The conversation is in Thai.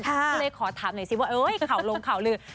คุณเลยขอถามหน่อยสิว่าเขาลงข่าวหรือ